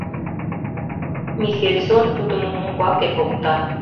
Михельсон тудым умбаке покта.